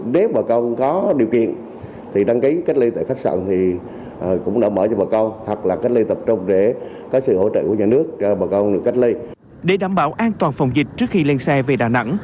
để đảm bảo an toàn phòng dịch trước khi lên xe về đà nẵng